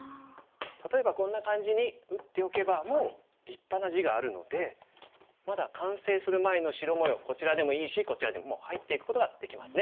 例えばこんな感じに打っておけばもう立派な地があるのでまだ完成する前のこちらでもいいしこちらでももう入っていくことができますね。